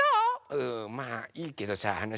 うんまあいいけどさあのさ。